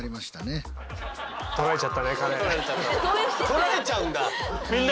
取られちゃうんだ。